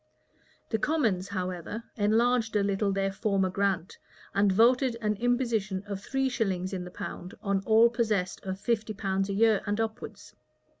The commons, however, enlarged a little their former grant, and voted an imposition of three shillings in the pound on all possessed of fifty pounds a year and upwards.